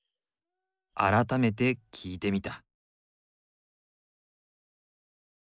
改めて聞いてみた。